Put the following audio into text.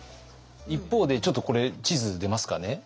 一方でちょっとこれ地図出ますかね。